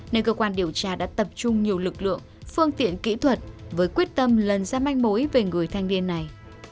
nên cơ quan điều tra đã tập trung nhiều lực lượng phương tiện kỹ thuật với quyết tâm lần ra manh mối về người thanh niên này